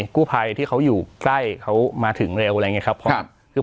กู้ไพที่เขาอยู่ใกล้เขามาถึงอะไรอย่างเงี้ยครับคือ